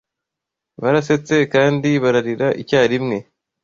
Barasetse kandi bararira icyarimwe